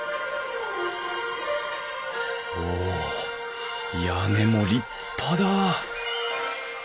お屋根も立派だ